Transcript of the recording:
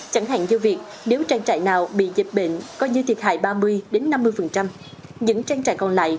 chẳng hạn do việc nếu trang trại nào bị dịch bệnh coi như thiệt hại ba mươi năm mươi những trang trại còn lại